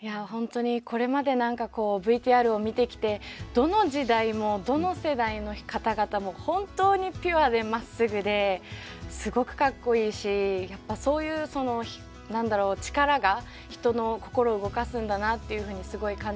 いや本当にこれまで何かこうＶＴＲを見てきてどの時代もどの世代の方々も本当にピュアでまっすぐですごくかっこいいしやっぱそういう力が人の心を動かすんだなっていうふうにすごい感じましたし。